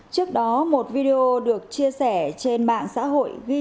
trước đó một video được chia sẻ trên mạng xã hội ghi